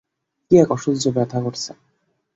কি এক অসহ্য ব্যাথা করছে!